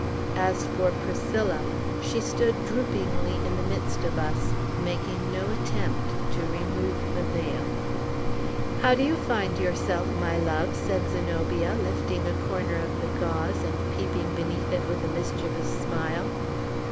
As for Priscilla, she stood droopingly in the midst of us, making no attempt to remove the veil. "How do you find yourself, my love?" said Zenobia, lifting a corner of the gauze, and peeping beneath it with a mischievous smile.